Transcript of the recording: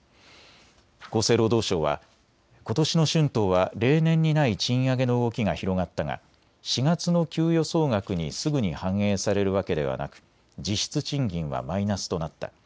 厚生労働省はことしの春闘は例年にない賃上げの動きが広がったが４月の給与総額にすぐに反映されるわけではなく実質賃金はマイナスとなった。